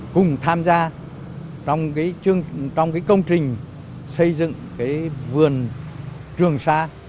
cùng tham gia trong công trình xây dựng vườn trường sa